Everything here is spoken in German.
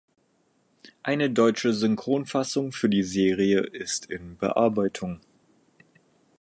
Eine deutsche Synchronfassung für die Serie ist in Bearbeitung.